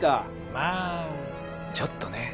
まあちょっとね